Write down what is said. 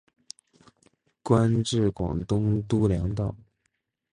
官至广东督粮道。